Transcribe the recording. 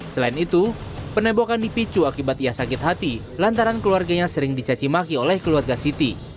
selain itu penembokan dipicu akibat ia sakit hati lantaran keluarganya sering dicacimaki oleh keluarga siti